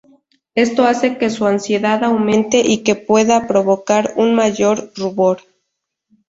Esto hace que su ansiedad aumente, y que pueda provocar un mayor rubor.